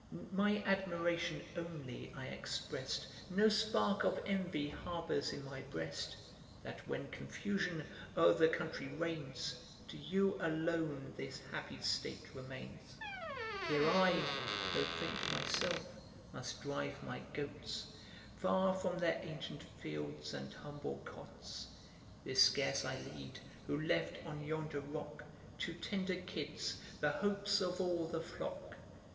My admiration only I exprest, (No spark of envy harbours in my breast) That, when confusion o'er the country reigns, To you alone this happy state remains. Here I, though faint myself, must drive my goats, Far from their ancient fields and humble cots. This scarce I lead, who left on yonder rock Two tender kids, the hopes of all the flock.